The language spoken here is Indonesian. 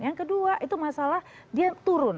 yang kedua itu masalah dia turun